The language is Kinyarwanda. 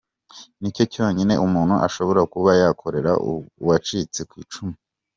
Nicyo cyonyine umuntu ashobora kuba yakorera uwacitse ku icumu.